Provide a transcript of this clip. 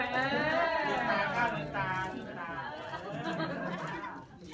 เอาแหวนด้วย